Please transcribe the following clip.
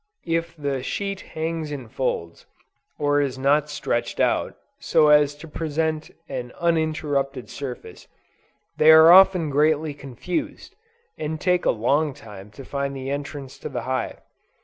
If the sheet hangs in folds, or is not stretched out, so as to present an uninterrupted surface, they are often greatly confused, and take a long time to find the entrance to the hive.